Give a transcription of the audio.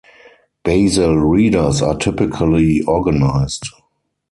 Basal readers are typically organized.